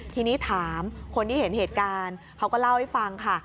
ทีนี้ถามคนที่เห็นเหตุการณ์เขาก็เล่าให้ฟังค่ะ